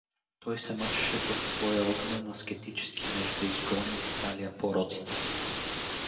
Той се мъчеше със своя огнен аскетически меч да изгони от Италия пороците.